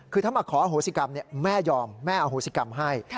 คือถ้ามาขออโหสิกรรมแม่ยอมแม่อโหสิกรรมให้